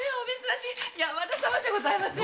山田様じゃございませんか。